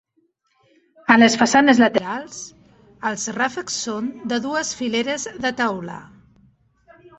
A les façanes laterals, els ràfecs són de dues fileres de teula.